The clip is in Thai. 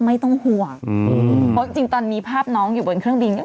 ไม่ต้องห่วงเพราะจริงตอนมีภาพน้องอยู่บนเครื่องบินเนี่ย